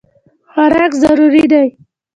خوراک ضروري دی.